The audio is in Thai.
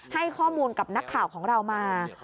ให้ข้อมูลกับนักข่าวของเรามา